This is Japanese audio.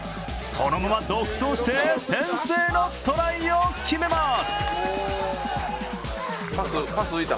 そのまま独走して先制のトライを決めます。